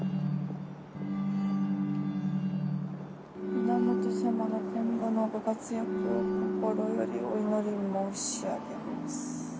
「皆本様の今後のご活躍を心よりお祈り申し上げます」。